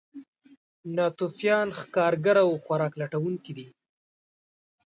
ناتوفیان ښکارګر او خوراک لټونکي وو.